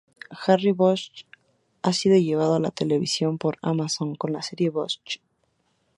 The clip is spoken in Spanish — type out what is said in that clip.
Harry Bosch ha sido llevado a la televisión por Amazon con la serie Bosch.